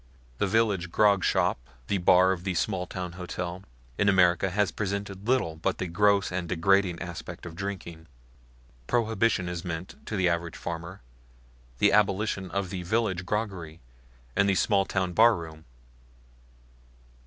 The village grogshop, the bar of the smalltown hotel, in America has presented little but the gross and degrading aspect of drinking. Prohibition has meant, to the average farmer, the abolition of the village groggery and the small town barroom.